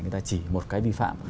người ta chỉ một cái vi phạm